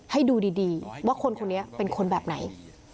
ให้ดูดีว่าคนคนนี้เป็นคนแบบไหน